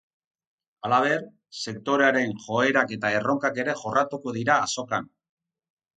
Halaber, sektorearen joerak eta erronkak ere jorratuko dira azokan.